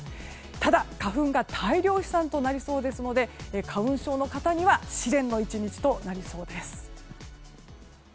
ただ、花粉が大量飛散となりそうですので花粉症の方には試練の１日となりそうです。